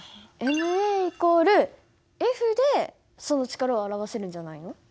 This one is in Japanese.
ｍａ＝Ｆでその力を表せるんじゃないの？